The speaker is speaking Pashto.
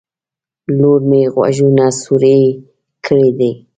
لور مې غوږونه سوروي کړي دي